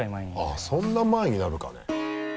あっそんな前になるかね？